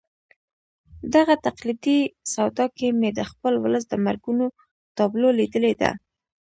دغه تقلیدي سودا کې مې د خپل ولس د مرګونو تابلو لیدلې ده.